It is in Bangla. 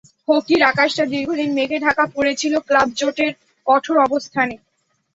হকির আকাশটা দীর্ঘদিন মেঘে ঢাকা পড়ে ছিল ক্লাব জোটের কঠোর অবস্থানে।